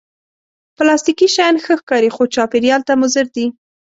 پلاستيکي شیان ښه ښکاري، خو چاپېریال ته مضر دي